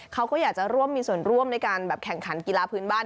เขาก็อยากจะร่วมมีส่วนร่วมในการแบบแข่งขันกีฬาพื้นบ้าน